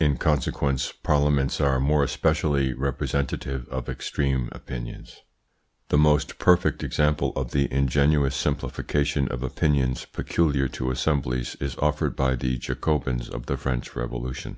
In consequence parliaments are more especially representative of extreme opinions. The most perfect example of the ingenuous simplification of opinions peculiar to assemblies is offered by the Jacobins of the French Revolution.